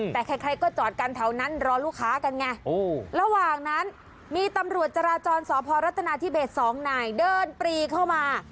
แต่ใครก็จอดกันแถวนั้นรอลูกค้ากันไงระหว่างนั้นมีตำรวจจราจรสพรัฐนาธิเบสสองนายเดินปรีเข้ามา